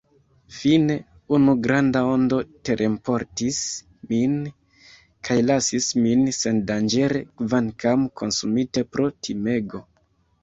Fine, unu granda ondo terenportis min, kaj lasis min sendanĝere, kvankam konsumite pro timego.